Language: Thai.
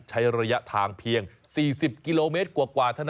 ใช้ระยะทางเพียง๔๐กิโลเมตรกว่าเท่านั้น